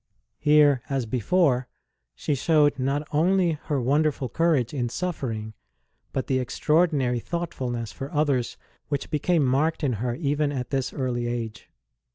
Here, as before, she showed not only her wonderful courage in suffering, but the extraordinary thoughtfulness for others which became marked in her even at this early age.